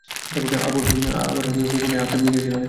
আবার কুকর নিয়ে হাটতে গিয়েছিলে?